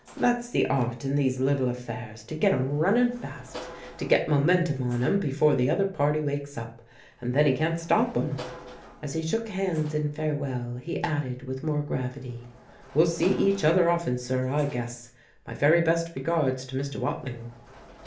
That's the art in these little affairs, to get 'em runnin' fast, to get momentum on 'em before the other party wakes up, and then he can't stop 'em." As he shook hands in farewell he added, with more gravity: "We'll see each other often, sir, I guess. My very best regards to Mr. Watling."